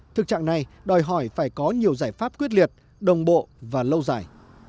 thực trạng này đòi hỏi phải có nhiều giải pháp quyết liệt đồng bộ và lâu dài